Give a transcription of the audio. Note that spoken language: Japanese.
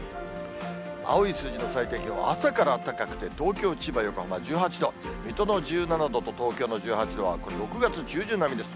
青い数字の最低気温、朝から高くて、東京、千葉、横浜１８度、水戸の１７度と東京の１８度は、これ、６月中旬並みです。